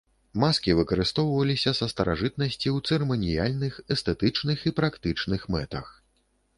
Маскі выкарыстоўваліся са старажытнасці ў цырыманіяльных, эстэтычных, і практычных мэтах.